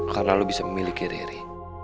karena lo bisa memiliki riri